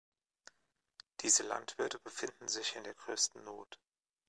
Diese Landwirte befinden sich in der größten Not.